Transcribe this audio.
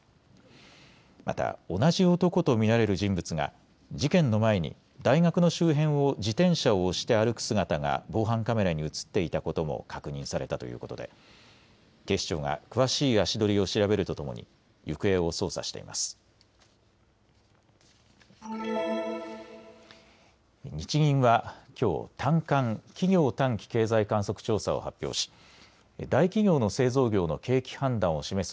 また同じ男と見られる人物が事件の前に大学の周辺を自転車を押して歩く姿が防犯カメラに写っていたことも確認されたということで警視庁が詳しい足取りを調べるとともに行方を捜査しています。